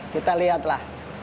kita lihat lah